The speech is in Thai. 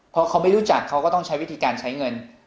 เพราะเขาไม่รู้จักเขาก็ต้องใช้วิธีการใช้เงิน